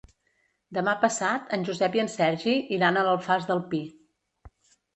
Demà passat en Josep i en Sergi iran a l'Alfàs del Pi.